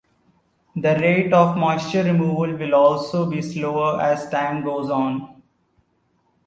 The rate of moisture removal will also be slower as time goes on.